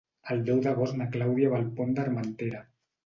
El deu d'agost na Clàudia va al Pont d'Armentera.